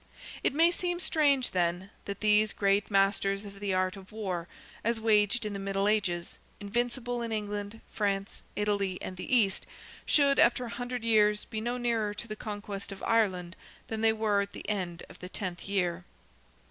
It may seem strange, then, that these greatest masters of the art of war, as waged in the middle ages, invincible in England, France, Italy, and the East, should, after a hundred years, be no nearer to the conquest of Ireland than they were at the end of the tenth year.